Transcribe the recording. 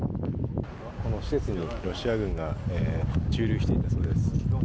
この施設にロシア軍が駐留していたようです。